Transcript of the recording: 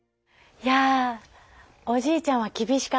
いやぁおじいちゃんは厳しかったんです。